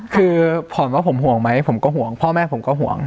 คือผ่อนว่าผมห่วงไหมผมก็ห่วงพ่อแม่ผมก็ห่วง